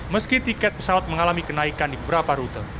meski tiket pesawat mengalami kenaikan di beberapa rute